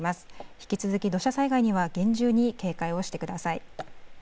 引き続き土砂災害には厳重に警戒をしてください。